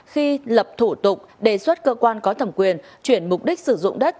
khi lập thủ tục đề xuất cơ quan có thẩm quyền chuyển mục đích sử dụng đất